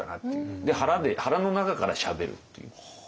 腹の中からしゃべるっていう。